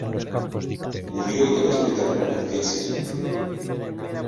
Murió en el hospital al día siguiente.